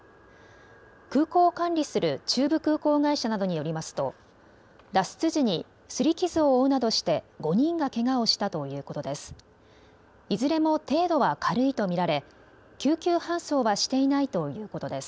空港を管理する中部空港会社などによりますと脱出時にすり傷を負うなどして５人がけがをしたということです。